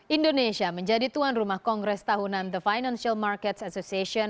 indonesia menjadi tuan rumah kongres tahunan the financial markets association